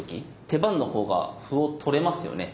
手番のほうが歩を取れますよね？